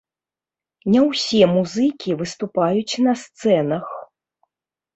Не ўсе музыкі выступаюць на сцэнах.